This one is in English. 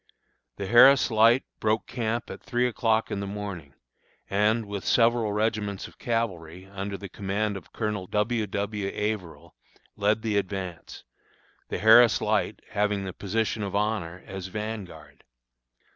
The Harris Light broke camp at three o'clock in the morning, and, with several regiments of cavalry, under the command of Colonel W. W. Averill, led the advance, the Harris Light having the position of honor as vanguard.